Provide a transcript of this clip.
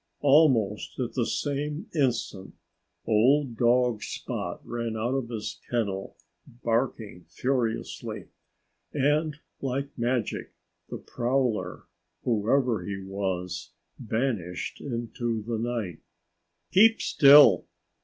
Almost at the same instant old dog Spot ran out of his kennel, barking furiously. And like magic the prowler whoever he was vanished into the night. "Keep still!"